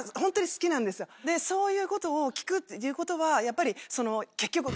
そういうことを聞くっていうことはやっぱり結局。